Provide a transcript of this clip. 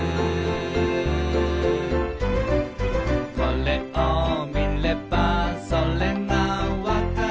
「これを見ればそれが分かる」